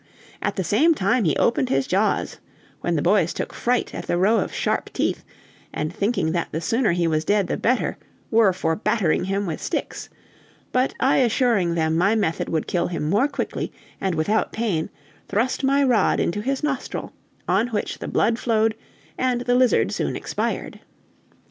At the same time he opened his jaws, when the boys took fright at the row of sharp teeth, and thinking that the sooner he was dead the better, were for battering him with sticks; but I assuring them my method would kill him more quickly and without pain, thrust my rod into his nostril, on which the blood flowed and the lizard soon expired.